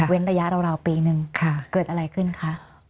เว้นระยะราวกับเรื่องปีอีกนึงค่ะเกิดอะไรขึ้นคะ